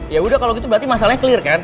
yaudah kalau gitu berarti masalahnya clear kan